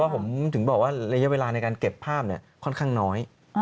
ผมถึงบอกว่าระยะเวลาในการเก็บภาพค่อนข้างน้อย